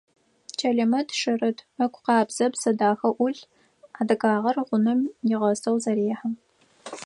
Чэлэмэт шъырыт, ыгу къабзэ, бзэ дахэ ӏулъ, адыгагъэр гъунэм нигъэсэу зэрехьэ.